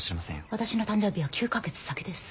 私の誕生日は９か月先です。